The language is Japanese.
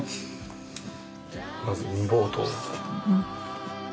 まず煮ぼうとう。